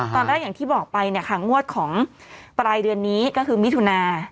อย่างที่บอกไปเนี่ยค่ะงวดของปลายเดือนนี้ก็คือมิถุนา